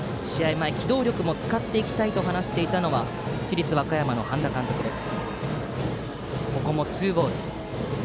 前、機動力も使っていきたいと話していたのは市立和歌山の半田監督です。